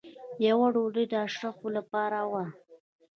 یوه ډوډۍ د اشرافو لپاره وه.